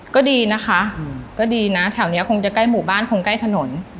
ก็ดีนะคะก็ดีนะแถวนี้คงจะใกล้หมู่บ้านคงใกล้ถนน